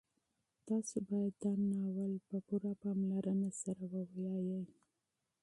تاسو باید دا ناول په پوره غور سره ولولئ.